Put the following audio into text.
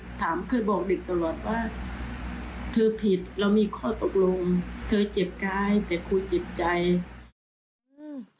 เรามีข้อตกลงเธอเจ็บใจแต่ครูเจ็บใจ